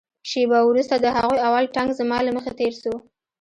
شېبه وروسته د هغوى اول ټانک زما له مخې تېر سو.